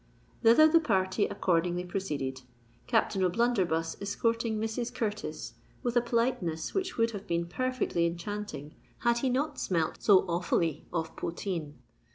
Thither the party accordingly proceeded; Captain O'Blunderbuss escorting Mrs. Curtis, with a politeness which would have been perfectly enchanting had he not smelt so awfully of poteen.